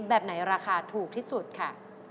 แบบไหนราคาถูกที่สุดค่ะ